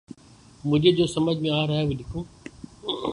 مجھے جو سمجھ میں آرہا ہے وہ لکھوں